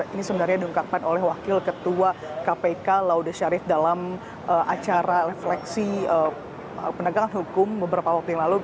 ini sebenarnya diungkapkan oleh wakil ketua kpk laude sharif dalam acara refleksi penegakan hukum beberapa waktu yang lalu